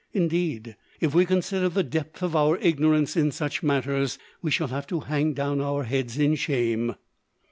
Indeed, if we consider the depth of our ignorance in such matters, we shall have to hang down our heads in shame.